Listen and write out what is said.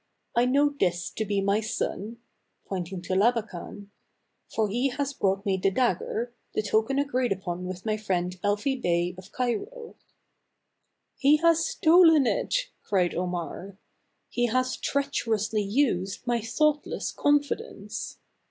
I know this to be my son" (pointing Labakan), "for he f brought me the dagger, the token agreed upon with my friend Elfi Bey of Cairo." " He has stolen it !" cried Omar. " He has treacherously used my thoughtless confidence."